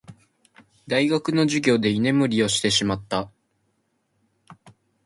大学の授業で居眠りをしてしまった。